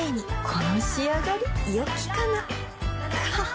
この仕上がりよきかなははっ